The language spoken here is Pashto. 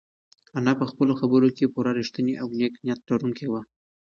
انا په خپلو خبرو کې پوره رښتینې او نېک نیت لرونکې وه.